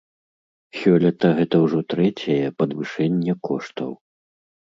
Сёлета гэта ўжо трэцяе падвышэнне коштаў.